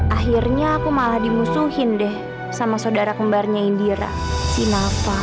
akhirnya aku malah dimusuhin deh sama saudara kembarnya indira sinava